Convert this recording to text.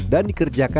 dan dikerjakan enam